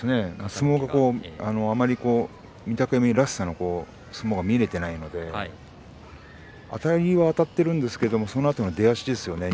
相撲が、あまり御嶽海らしい相撲が見られていないのであたるには勝っているんですけれどもそのあとの出足ですよね。